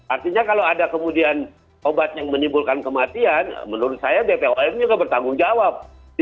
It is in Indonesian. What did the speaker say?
artinya kalau ada kemudian obat yang menimbulkan kematian menurut saya bpom juga bertanggung jawab